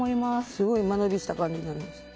すごい間延びした感じになりました。